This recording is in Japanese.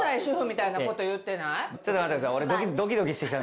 何かちょっと待ってください